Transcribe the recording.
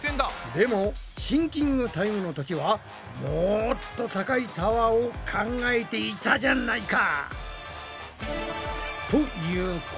でもシンキングタイムの時はもっと高いタワーを考えていたじゃないか！